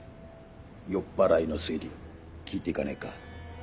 酔っぱらいの推理聞いていかないか？